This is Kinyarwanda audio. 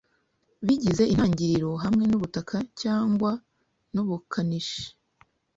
bigize intangiriro hamwe nubutaka cyangwa nubukanishi